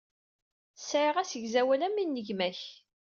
Sɛiɣ asegzawal am win n gma-k.